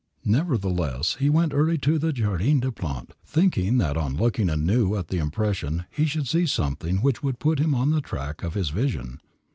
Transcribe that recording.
Nevertheless, he went early to the Jardin des Plantes, thinking that on looking anew at the impression he should see something which would put him on the track of his vision.